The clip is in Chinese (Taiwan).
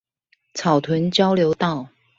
草屯交流道